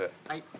はい。